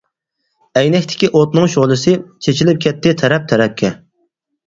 ئەينەكتىكى ئوتنىڭ شولىسى، چېچىلىپ كەتتى تەرەپ تەرەپكە.